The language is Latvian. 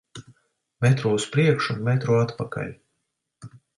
Metru uz priekšu, metru atpakaļ.